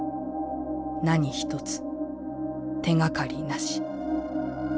何一つ手がかりなし」。